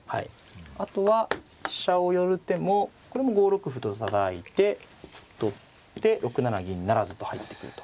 あとは飛車を寄る手もこれも５六歩とたたいて取って６七銀不成と入ってくると。